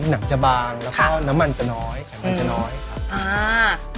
หนักจะบางแล้วก็น้ำมันจะน้อยไขมันจะน้อยครับอ่า